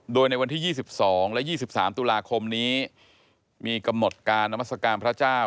โดยในวันที่๒๒และ๒๓ตุลาคมนี้มีกำหนดการนามัศกาลพระเจ้า